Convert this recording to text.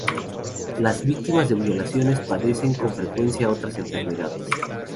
Las víctimas de violaciones padecen con frecuencia otras enfermedades.